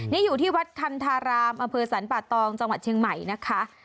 นี่อยู่ที่วัดคันธารามอำเภอสรรป่าตองจังหวัดเชียงใหม่นะคะ